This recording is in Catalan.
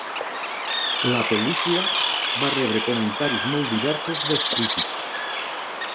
La pel·lícula va rebre comentaris molt diversos dels crítics.